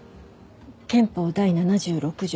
憲法第７６条